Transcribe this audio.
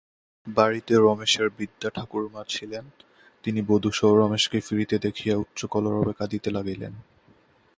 বাড়িতে রমেশের বৃদ্ধা ঠাকুরমা ছিলেন, তিনি বধূসহ রমেশকে ফিরিতে দেখিয়া উচ্চকলরবে কাঁদিতে লাগিলেন।